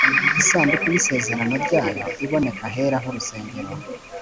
isanduku v y isezerano ryayo iboneka ahera h urusengero